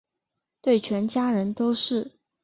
对全家人都是